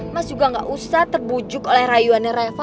mas juga gak usah terbujuk oleh rayuannya reva